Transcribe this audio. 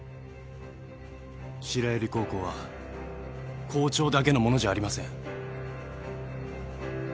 白百合高校は校長だけのものじゃありません。